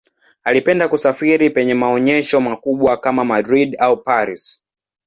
Alipenda kusafiri penye maonyesho makubwa kama Madrid au Paris.